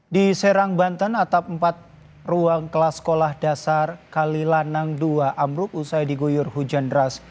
di serang banten atap empat ruang kelas sekolah dasar kalilanang ii amruk usai diguyur hujan deras